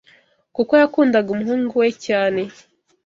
kuko yakundaga umuhungu we cyane